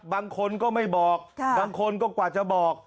บางคนก็ไม่บอกบางคนก็กว่าจะบอก